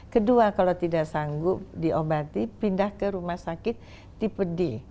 kedua kalau tidak sanggup diobati pindah ke rumah sakit tipe d